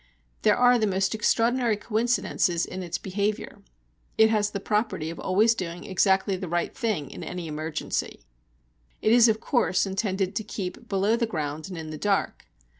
There are the most extraordinary coincidences in its behaviour. It has the property of always doing exactly the right thing in any emergency. It is of course intended to keep below the ground and in the dark.